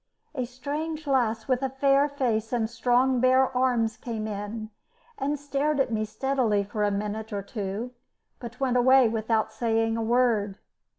A strange lass with a fair face and strong bare arms came in and stared at me steadily for a minute or two, but went away without saying a word.